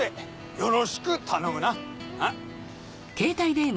よろしく頼むなうん。